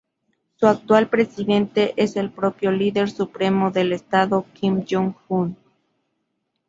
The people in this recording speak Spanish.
Su actual presidente es el propio líder supremo del Estado, Kim Jong Un.